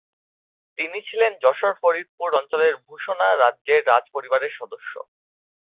তিনি ছিলেন যশোর-ফরিদপুর অঞ্চলের ভূষণা রাজ্যের রাজ পরিবারের সদস্য।